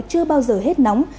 chưa bao giờ hết nóng